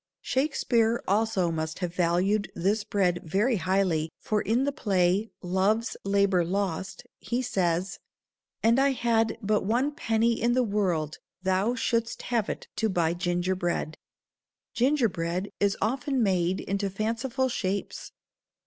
Shakespeare also must have valued this bread very highly, for in the play, "Love's Labor Lost," he says: "An I had but one penny in the world thou shouldst have it to buy ginger bread." Ginger bread is often made into fanciful shapes.